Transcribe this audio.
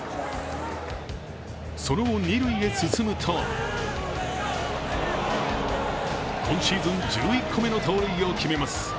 その後、二塁へ進むと今シーズン１１個目の盗塁を決めます。